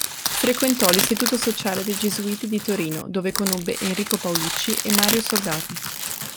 Frequentò l'Istituto sociale dei gesuiti di Torino, dove conobbe Enrico Paulucci e Mario Soldati.